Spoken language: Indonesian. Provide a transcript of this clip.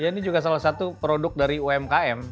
ini juga salah satu produk dari umkm